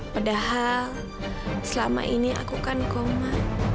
padahal selama ini aku kan koma